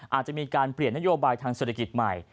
อาจจะมีการเปลี่ยนนโยบายทางเศรษฐกิจใหม่